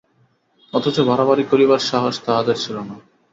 অথচ বাড়াবাড়ি করিবার সাহস তাহদের ছিল না।